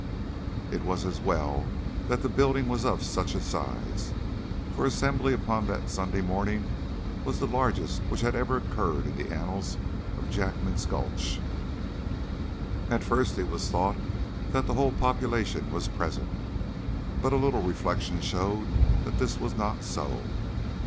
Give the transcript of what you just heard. It was as well that the building was of such a size, for the assembly upon the Sunday morning was the largest which had ever occurred in the annals of Jackman's Gulch. At first it was thought that the whole population was present, but a little reflection showed that this was not so.